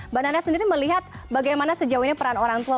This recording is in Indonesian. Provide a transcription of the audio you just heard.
mbak nana sendiri melihat bagaimana sejauh ini peran orang tua